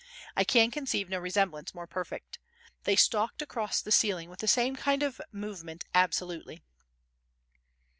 I can conceive no resemblance more perfect. They stalked across the ceiling with the same kind of movement absolutely.